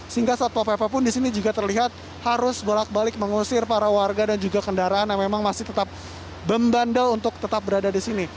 sehingga satpol pp pun di sini juga terlihat harus bolak balik mengusir para warga dan juga kendaraan yang memang masih tetap membandel untuk tetap berada di sini